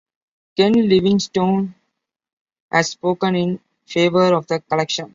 Ken Livingstone has spoken in favour of the Collection.